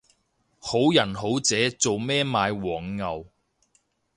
好人好姐做咩買黃牛